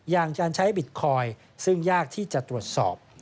อย่างการใช้บิตคอยน์ซึ่งยากที่จะตรวจสอบ